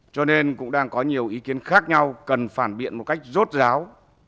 cho nên cũng đang có nhiều ý kiến khác nhau cần phản biện một cách rốt ráo